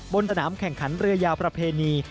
บนสนามแข่งขันเรือยาวประเพณี